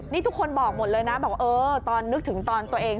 นี่ทุกคนบอกหมดเลยนะบอกเออตอนนึกถึงตอนตัวเอง